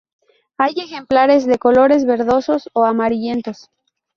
Hay ejemplares de colores verdosos o amarillentos.